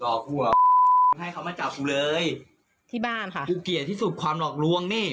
หลอกกูหรอให้เขามาจับกูเลยที่บ้านค่ะกูเกลียดที่สุดความหลอกลวงนี่